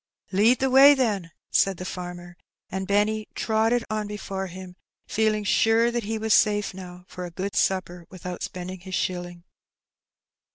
"Lead the way, then," said the farmer; and Benny trotted on before him, feeling sure that he was safe now for a good supper without spending his shilling.